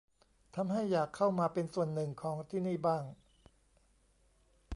ทำให้อยากเข้ามาเป็นส่วนหนึ่งของที่นี่บ้าง